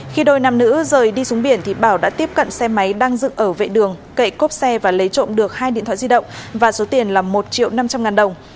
khi đôi nam nữ rời đi xuống biển thì bảo đã tiếp cận xe máy đang dựng ở vệ đường cậy cốp xe và lấy trộm được hai điện thoại di động và số tiền là một triệu năm trăm linh ngàn đồng